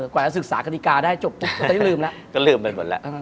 กว่าจะศึกษากฎิกาได้จบได้ลืมแล้วก็ลืมไปหมดแล้ว